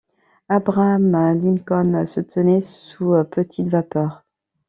Abraham-Lincoln se tenait sous petite vapeur.